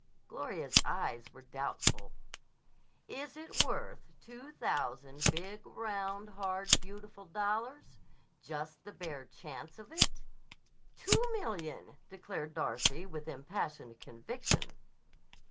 Gloria's eyes were doubtful. "Is it worth two thousand big, round, hard, beautiful dollars? Just the bare chance of it?" "Two million," declared Darcy with impassioned conviction.